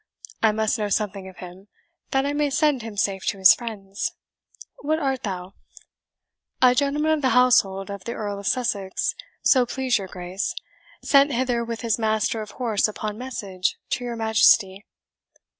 I must know something of him, that I may send him safe to his friends. What art thou?" "A gentleman of the household of the Earl of Sussex, so please your Grace, sent hither with his master of horse upon message to your Majesty."